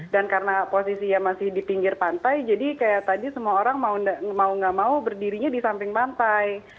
dan karena posisi yang masih di pinggir pantai jadi kayak tadi semua orang mau nggak mau berdirinya di samping pantai